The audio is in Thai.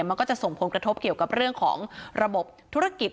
มันก็จะส่งผลกระทบเกี่ยวกับเรื่องของระบบธุรกิจ